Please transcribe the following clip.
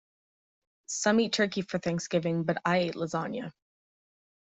Some eat turkey for Thanksgiving, but I ate lasagna.